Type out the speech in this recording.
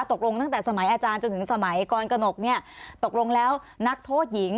ตกลงตั้งแต่สมัยอาจารย์จนถึงสมัยกรกนกเนี่ยตกลงแล้วนักโทษหญิง